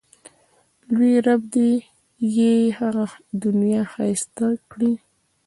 لوی رب دې یې هغه دنیا ښایسته کړي.